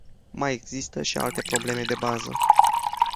Mai există și alte probleme de bază.